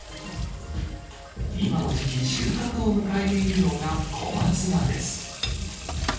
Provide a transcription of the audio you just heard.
今の時期、収穫を迎えているのが小松菜です。